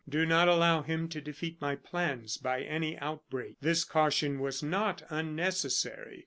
Do not allow him to defeat my plans by any outbreak." This caution was not unnecessary.